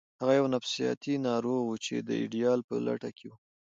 هغه یو نفسیاتي ناروغ و چې د ایډیال په لټه کې و